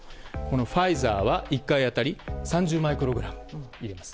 ファイザーは１回当たり３０マイクログラム入れます。